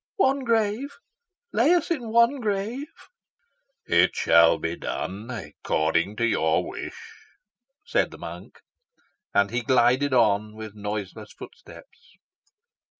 "One grave lay us in one grave!" "It shall be done according to your wish," said the monk. And he glided on with noiseless footsteps.